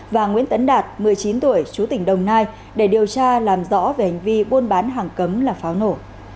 và nguyễn tấn đạt một mươi chín tuổi chú tỉnh đồng nai để điều tra làm rõ về hành vi buôn bán hàng cấm là pháo nổ